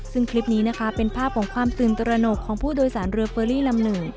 ซึ่งคลิปนี้นะคะเป็นภาพของความตื่นตระหนกของผู้โดยสารเรือเฟอรี่ลำหนึ่ง